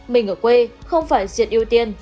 mình ở quê không phải diệt ưu tiên